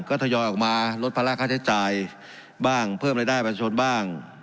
ก็ทยอยออกมาลดภาระค่าใช้จ่ายบ้างเพิ่มรายได้ประชาชนบ้าง